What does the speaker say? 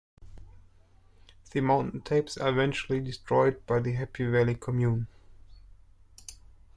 The Mountain Tapes are eventually destroyed by the Happy Valley commune.